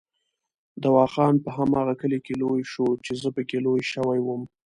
دوا خان په هماغه کلي کې لوی شو چې زه پکې لوی شوی وم.